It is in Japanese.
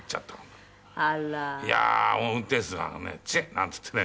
いやあ運転手がね「チッ！」なんて言ってね